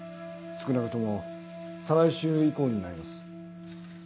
少なくとも再来週以降になります。